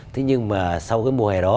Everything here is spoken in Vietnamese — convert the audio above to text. thế nhưng mà sau cái mùa hè đó